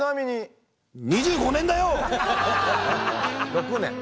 ６年。